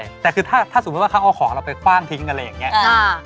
ใช่แต่คือถ้าสมมุติว่าข้างออกของเราไปคว้างทิ้งกันเลยอย่างเงี้ย